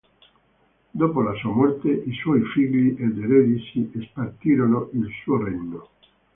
Dopo la sua morte i suoi figli ed eredi si spartirono il suo regno.